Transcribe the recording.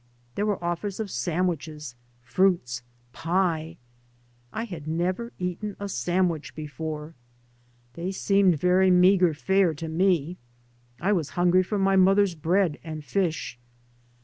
.There were offers of sandwiches, fruits, pie. I had never eaten a sandwich before. They seemed very meagre fare to me. I was hungry for my mother's bread and fish.